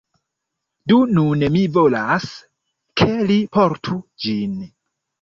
Do nun mi volas, ke li portu ĝin.